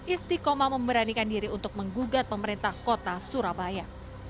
istiqomah memberanikan diri untuk menggugat pemerintah kota surabaya